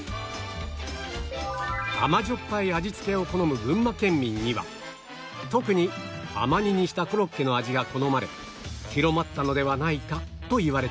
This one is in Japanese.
甘じょっぱい味付けを好む群馬県民には特に甘煮にしたコロッケの味が好まれ広まったのではないかといわれている